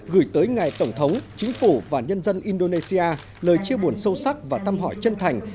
gửi tới ngài tổng thống chính phủ và nhân dân indonesia lời chia buồn sâu sắc và thăm hỏi chân thành